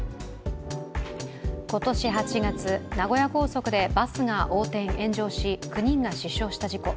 今年８月、名古屋高速でバスが横転・炎上し９人が死傷した事故。